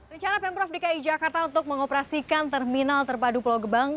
rencana pemprov dki jakarta untuk mengoperasikan terminal terpadu pulau gebang